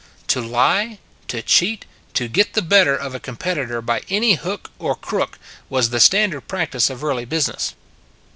To lie, to cheat, to get the better of a competitor by any hook or crook, was the standard practice of early business.